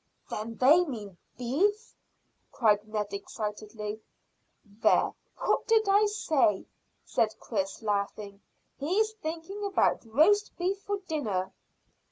"Then they mean beef," cried Ned excitedly. "There, what did I say?" said Chris, laughing. "He's thinking about roast beef for dinner."